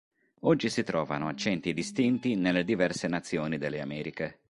Oggi si trovano accenti distinti nelle diverse nazioni delle Americhe.